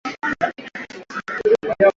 Kunywa maji yenye vimelea vya ugonjwa